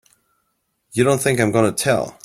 You don't think I'm gonna tell!